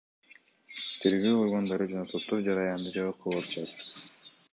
Тергөө органдары жана соттор жараянды жабык кылып атышат.